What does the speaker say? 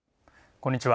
こんにちは。